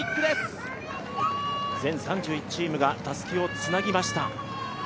全３１チームがたすきをつなぎました。